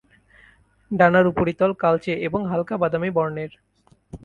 ডানার উপরিতল কালচে এবং হালকা বাদামী বর্নের।